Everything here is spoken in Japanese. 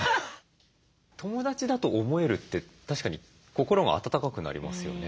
友だちだと思えるって確かに心が温かくなりますよね。